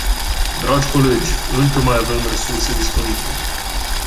Dragi colegi, încă mai avem resurse disponibile.